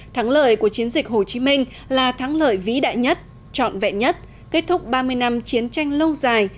thắng lợi của chiến dịch hồ chí minh là thắng lợi vĩ đại nhất trọn vẹn nhất kết thúc ba mươi năm chiến tranh lâu dài